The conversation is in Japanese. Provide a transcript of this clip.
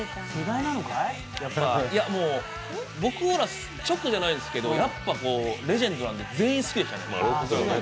やっぱね、僕ら直じゃないですけど、レジェンドなんで全員、好きでしたね。